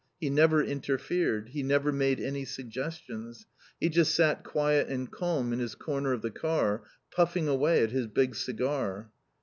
He never interfered. He never made any suggestions. He just sat quiet and calm in his corner of the car, puffing away at his big cigar.